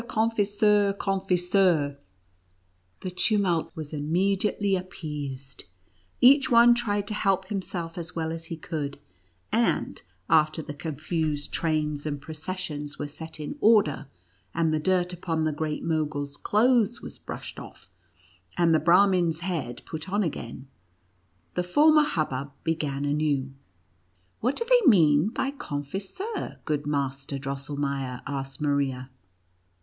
confiseur! confiseur!" The tumult was immediately appeased ; each one tried to help himself as well as he could ; and, after the confused trains and processions were set in order, and the dirt upon the Great Mogul's clothes was brushed off, and the Brah min's head put on again, the former hubbub began anew. " What do they mean by ( Con fiseur,' good Master Drosselmeier V asked Maria.